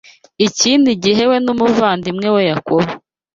Ikindi gihe we n’umuvandimwe we Yakobo